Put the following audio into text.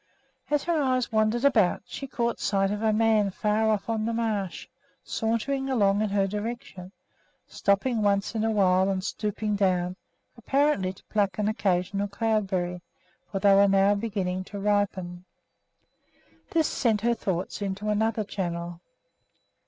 As her eyes wandered about she caught sight of a man far off on the marsh, sauntering along in her direction, stopping once in a while and stooping down, apparently to pluck an occasional cloudberry, for they were now beginning to ripen. This sent her thoughts into another channel.